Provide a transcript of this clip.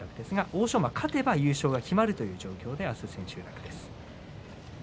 欧勝馬、勝てば優勝が決まるという状況で明日の千秋楽です。